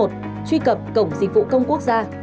truy cập cổng dịch vụ công quốc gia